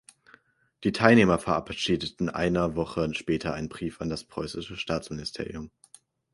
Die Teilnehmer verabschiedeten eine Woche später einen Brief an das Preußische Staatsministerium.